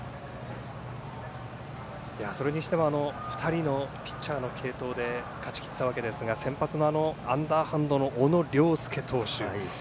それにしても２人のピッチャーの継投で勝ちきったわけですが先発のアンダーハンドの小野涼介投手。